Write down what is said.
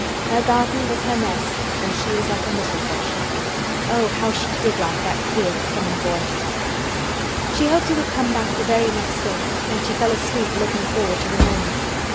Her garden was her nest and she was like a missel thrush. Oh, how she did like that queer, common boy! She hoped he would come back the very next day and she fell asleep looking forward to the morning.